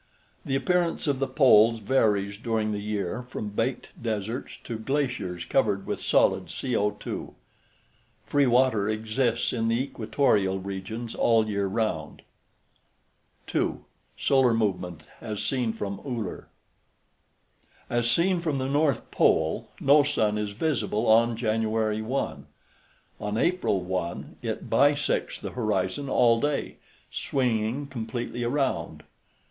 The appearance of the poles varies during the year from baked deserts to glaciers covered with solid CO_. Free water exists in the equatorial regions all year round. 2. SOLAR MOVEMENT AS SEEN FROM ULLER As seen from the north pole no sun is visible on Jan. 1. On April 1, it bisects the horizon all day, swinging completely around.